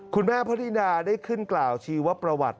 คุณแม่พระดินาได้ขึ้นกล่าวชีวประวัติ